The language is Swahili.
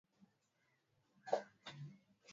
Mahitaji ya kuchemshia viazi lishe